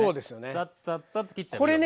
ザッザッザッと切っちゃえば。